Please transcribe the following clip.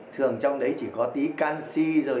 thường trong đấy chỉ có tí canxi